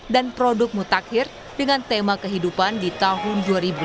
dan produk mutakhir dengan tema kehidupan di tahun dua ribu lima puluh